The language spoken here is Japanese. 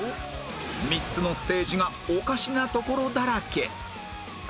３つのステージがおかしなところだらけ